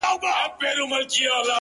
• یاران به خوښ وي رقیب له خوار وي ,